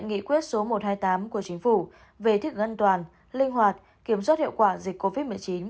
nghị quyết số một trăm hai mươi tám của chính phủ về thích an toàn linh hoạt kiểm soát hiệu quả dịch covid một mươi chín